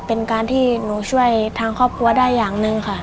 เป็นการที่หนูช่วยทางครอบครัวได้อย่างหนึ่งค่ะ